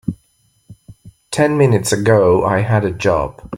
Ten minutes ago I had a job.